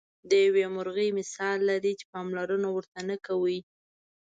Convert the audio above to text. د یوې مرغۍ مثال لري چې پاملرنه ورته نه کوئ.